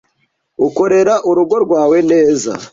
ukorera urugo rwawe neza